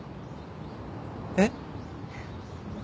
えっ？